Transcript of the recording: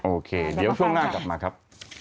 โอเคเดี๋ยวช่วงหน้ากลับมาครับ